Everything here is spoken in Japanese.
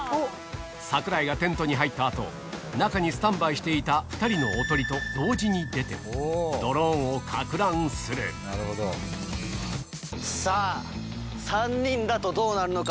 櫻井がテントに入ったあと、中にスタンバイしていた２人のおとりと同時に出て、ドローンをかさあ、３人だとどうなるのか。